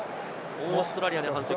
オーストラリアに反則。